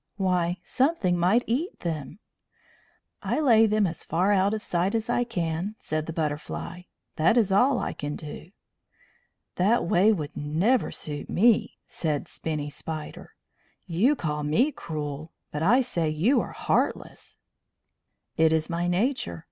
Why, something might eat them!" "I lay them as far out of sight as I can," said the Butterfly. "That is all I can do." "That way would never suit me," said Spinny Spider. "You call me cruel, but I say you are heartless." "It is my nature.